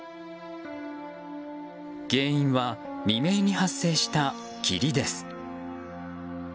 原因は、未明に発生した霧です。